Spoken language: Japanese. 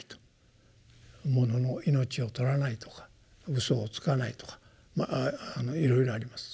ものの命を取らないとかうそをつかないとかいろいろあります。